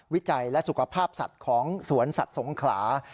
วิจัยและสุขภาพสัตว์ของสวนสัตว์สงขลา